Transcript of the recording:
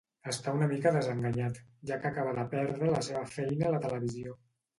Està una mica desenganyat, ja que acaba de perdre la seva feina a la televisió.